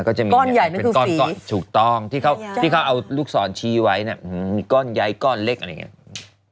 ก้อนใหญ่มันคือฟีถูกต้องที่เขาเอาลูกศรชี้ไว้นะมีก้อนใหญ่ก้อนเล็กอะไรอย่างนี้